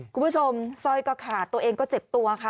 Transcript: คุณผู้ชมซ่อยก็ขาดตัวเองก็เจ็บตัวค่ะ